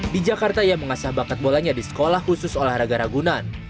di jakarta ia mengasah bakat bolanya di sekolah khusus olahraga ragunan